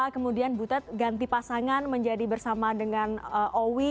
kemudian butet ganti pasangan menjadi bersama dengan owi